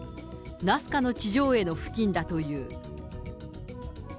ナスカの地上絵の付近だという。